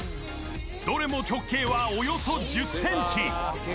どれも直径はおよそ１０ｃｍ。